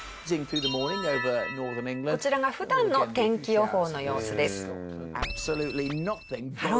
こちらが普段の天気予報の様子です。